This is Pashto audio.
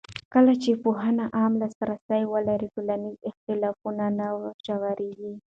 کله چې پوهنه عامه لاسرسی ولري، ټولنیز اختلافونه نه ژورېږي.